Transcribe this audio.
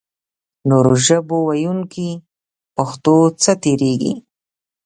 نورو ژبو ویونکي پښتو څخه تېرېږي.